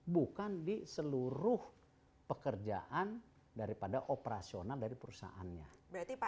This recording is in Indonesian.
bukan di seluruh pekerjaan daripada operasional dari perusahaannya